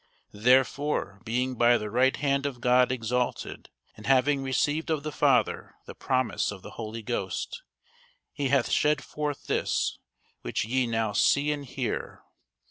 Therefore being by the right hand of God exalted, and having received of the Father the promise of the Holy Ghost, he hath shed forth this, which ye now see and hear.